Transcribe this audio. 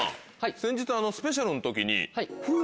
先日スペシャルの時に。